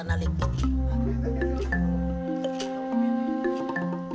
ikan arsik di jakarta